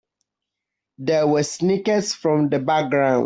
There were snickers from the background.